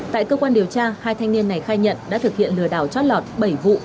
tại cơ quan điều tra hai thanh niên này khai nhận đã thực hiện lừa đảo chót lọt bảy vụ